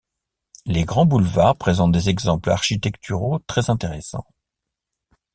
Les grands boulevards présentent des exemples architecturaux très intéressants.